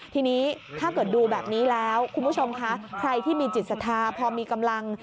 ทีนี้ถ้าเกิดดูแบบนี้แล้วคุณผู้ชมคะใครที่มีจิตศรัทธาพอมีกำลัง